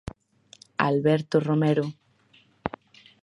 Alberto Romero.